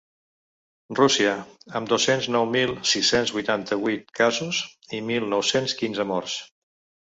Rússia, amb dos-cents nou mil sis-cents vuitanta-vuit casos i mil nou-cents quinze morts.